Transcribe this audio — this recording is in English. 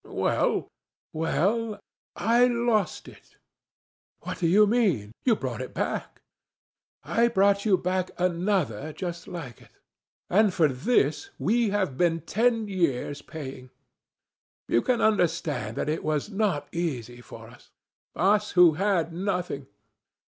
Well?" "Well, I lost it." "What do you mean? You brought it back." "I brought you back another just like it. And for this we have been ten years paying. You can understand that it was not easy for us, us who had nothing.